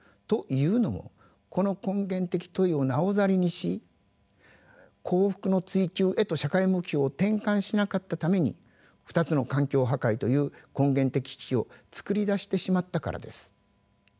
というのもこの根源的問いをなおざりにし幸福の追求へと社会目標を転換しなかったために２つの環境破壊という根源的危機をつくり出してしまったからです。